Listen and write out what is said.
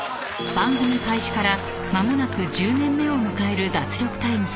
［番組開始から間もなく１０年目を迎える『脱力タイムズ』］